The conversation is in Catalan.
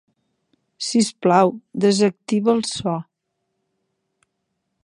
Sisplau, desactiva el so.